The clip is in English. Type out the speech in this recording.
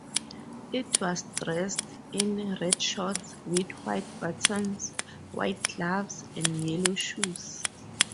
It was dressed in red shorts with white buttons, white gloves, and yellow shoes.